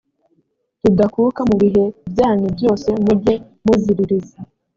ridakuka mu bihe byanyu byose mujye muziririza